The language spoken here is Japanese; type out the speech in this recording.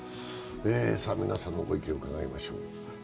皆さんのご意見を伺いましょう。